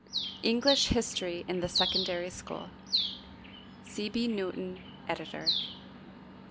English History in the Secondary School C. B. NEWTON, Editor.